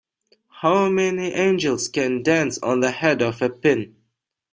How many angels can dance on the head of a pin?